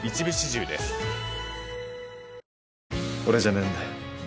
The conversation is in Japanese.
俺じゃねえんだよ。